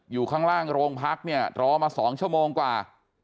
อยู่ข้างล่างโรงพักเนี่ยรอมา๒ชั่วโมงกว่า